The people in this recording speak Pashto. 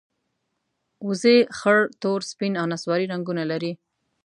وزې خړ، تور، سپین او نسواري رنګونه لري